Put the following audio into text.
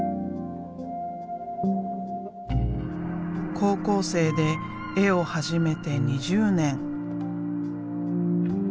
高校生で絵を始めて２０年。